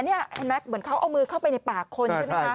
เห็นไหมเหมือนเขาเอามือเข้าไปในปากคนใช่ไหมคะ